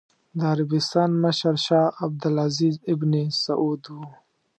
د عربستان مشر شاه عبد العزېز ابن سعود و.